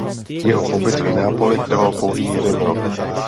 Jeho pobyt v Neapoli trval pouhý jeden rok.